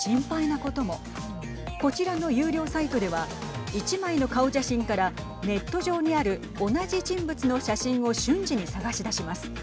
こちらの有料サイトでは１枚の顔写真からネット上にある同じ人物の写真を瞬時に探し出します。